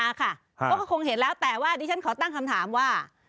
เขาก็คงเห็นแล้วแต่ว่าดิฉันขอตั้งคำถามว่า